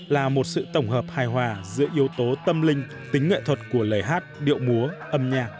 là một sự tổng hợp hài hòa giữa yếu tố tâm linh tính nghệ thuật của lời hát điệu múa âm nhạc